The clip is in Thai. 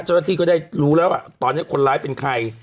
เจ้าหน้าที่ก็ได้รู้แล้วตอนนี้คนร้ายเป็นใคร